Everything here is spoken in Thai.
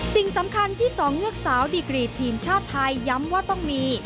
สิ่งสำคัญที่สองเงือกสาวดีกรีทีมชาติไทยย้ำว่าต้องมี